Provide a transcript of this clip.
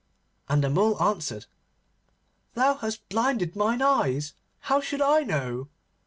And the Mole answered, 'Thou hast blinded mine eyes. How should I know?